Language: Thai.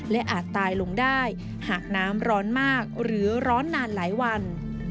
และอาจตายลงได้หากน้ำร้อนมากหรือร้อนนานหลายวัน